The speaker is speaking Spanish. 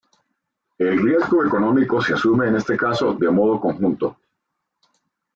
El riesgo económico se asume en este caso de modo conjunto.